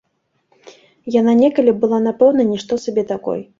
Яна некалі была напэўна нішто сабе такой.